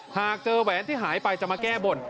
หากเจอแหวนที่หายไปจะมาแก้บน